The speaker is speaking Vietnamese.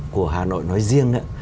của hà nội nói riêng